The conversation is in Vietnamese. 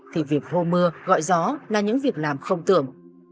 thì việc hô mưa gọi gió là những việc làm không tưởng